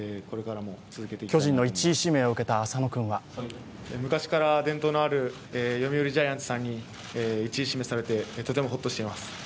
巨人の１位指名を受けた浅野君は昔から伝統のある読売ジャイアンツさんに１位指名されてとてもホッとしています。